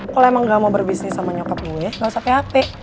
kalau emang gak mau berbisnis sama nyokap lo ya gak usah paham